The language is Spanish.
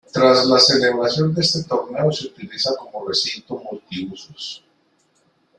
Tras la celebración de este Torneo se utiliza como recinto multiusos.